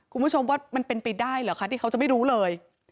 คุณผู้ชมว่ามันเป็นไปได้เหรอคะที่เขาจะไม่รู้เลย